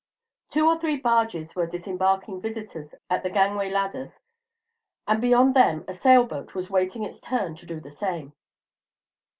Two or three barges were disembarking visitors at the gangway ladders, and beyond them a sail boat was waiting its turn to do the same.